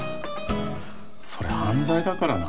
それ犯罪だからな。